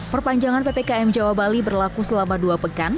perpanjangan ppkm jawa bali berlaku selama dua pekan